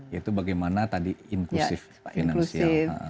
yaitu bagaimana tadi inklusif finansial